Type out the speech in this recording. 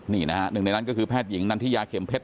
นี่นะฮะหนึ่งในนั้นก็คือแพทย์หญิงนันทิยาเข็มเพชร